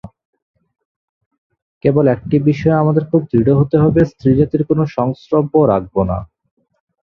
কেবল একটি বিষয়ে আমাদের খুব দৃঢ় হতে হবে, স্ত্রীজাতির কোনো সংস্রব রাখব না।